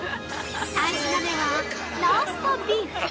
◆３品目は、ローストビーフ。